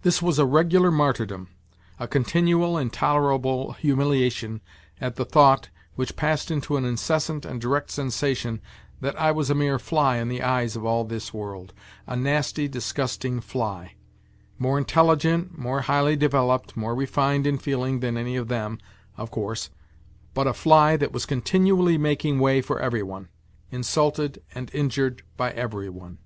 This was a regular martyr dom, a continual, intolerable humiliation at the thought, which passed into an incessant and direct sensation, that I was a mere fly in the eyes of all this world, a nasty, disgusting fly more intelligent, more highly developed, more refined in feeling than any of them, of course but a fly that was continually making way for every one, insulted and injured by every one.